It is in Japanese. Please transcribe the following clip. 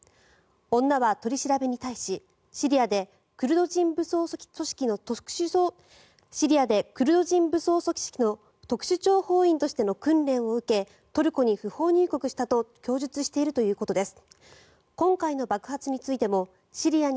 女は取り調べに対しシリアでクルド人武装組織の特殊諜報員としての訓練を受けトルコに不法入国したと供述しているということです。